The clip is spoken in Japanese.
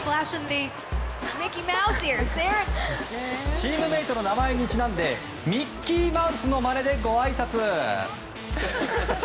チームメートの名前にちなんでミッキーマウスのまねでごあいさつ！